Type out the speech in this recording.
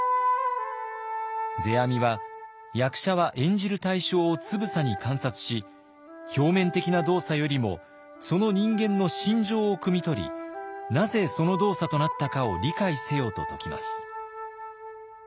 世阿弥は役者は演じる対象をつぶさに観察し表面的な動作よりもその人間の心情をくみ取りなぜその動作となったかを理解せよと説きます。